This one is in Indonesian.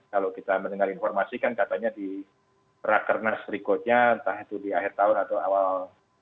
kalau kita mendengar informasi kan katanya di rakernas berikutnya entah itu di akhir tahun atau awal